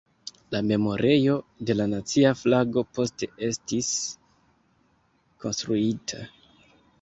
La Memorejo de la Nacia Flago poste estis konstruita.